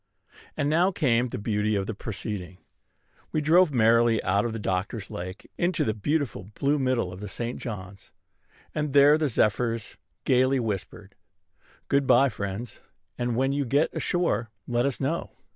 And now came the beauty of the proceeding. We drove merrily out of Doctors Lake into the beautiful blue middle of the St. John's: and there the zephyrs gayly whispered, "Good by, friends; and, when you get ashore, let us know."